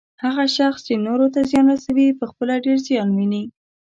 هغه شخص چې نورو ته زیان رسوي، پخپله ډیر زیان ويني